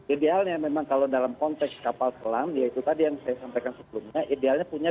idealnya memang kalau dalam konteks kapal pelang ya itu tadi yang saya sampaikan sebelumnya idealnya punya dua belas